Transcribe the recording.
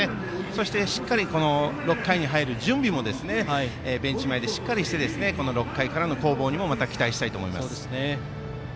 そして、しっかりと６回に入る準備もベンチ前でしっかりして６回からの攻防にもまた期待したいと思います。